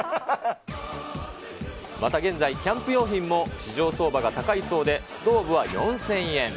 また現在、キャンプ用品も市場相場が高いそうで、ストーブは４０００円。